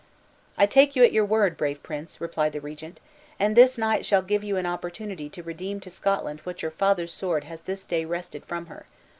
"I take you at your word, brave prince!" replied the regent; "and this night shall give you an opportunity to redeem to Scotland, what your father's sword has this day wrested from her.